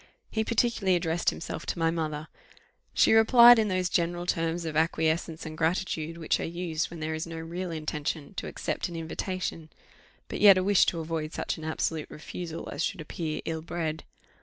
He particularly addressed himself to my mother; she replied in those general terms of acquiescence and gratitude, which are used when there is no real intention to accept an invitation, but yet a wish to avoid such an absolute refusal as should appear ill bred.